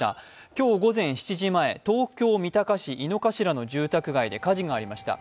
今日午前７時前、東京・三鷹市、井の頭の住宅街で火事がありました。